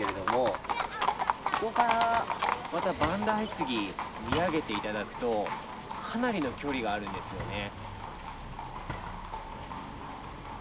ここからまた万代杉見上げて頂くとかなりの距離があるんですよね。